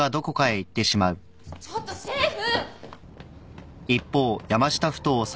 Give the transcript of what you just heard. ちょっとシェフ！